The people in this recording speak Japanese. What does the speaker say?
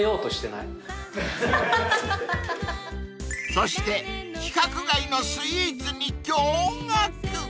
［そして規格外のスイーツに驚愕］